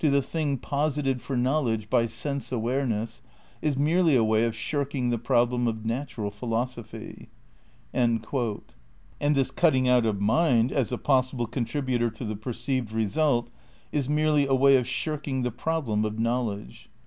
in THE CRITICAL PREPARATIONS 87 thing posited for knowledge by sense awareness is merely a way of shirking the problem of natural philosophy." * And this cutting out of mind as a possible contributor to the perceived result is merely a way of shirking the problem of knowledge.